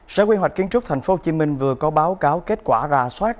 sở quy hoạch kiến trúc tp hcm vừa có báo cáo kết quả rà soát